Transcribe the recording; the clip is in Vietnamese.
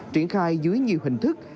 triển khai dưới nhiều hình thức